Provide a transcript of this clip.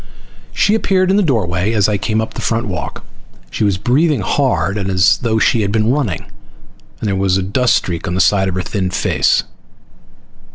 She appeared in the doorway as I came up the front walk. She was breathing hard, as though she had been running, and there was a dust streak on the side of her thin face.